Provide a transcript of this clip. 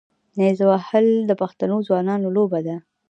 نیزه وهل د پښتنو ځوانانو لوبه ده.